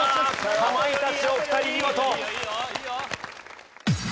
かまいたちお二人見事！